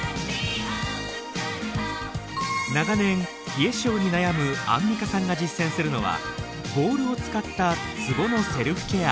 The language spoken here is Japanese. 長年冷え症に悩むアンミカさんが実践するのはボールを使ったツボのセルフケア。